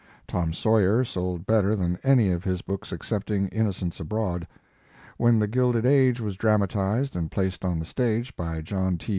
"Tom Sawyer" sold better than any of his books excepting "Inno cents Abroad." When the Gilded Age" was dramatized and placed on the stage by John T.